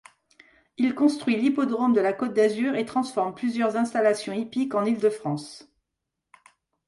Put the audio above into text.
Il construit l'hippodrome de la Côte d'Azur et transforme plusieurs installations hippiques en Île-de-France.